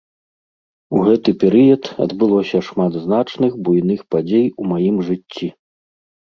У гэты перыяд адбылося шмат значных буйных падзей у маім жыцці.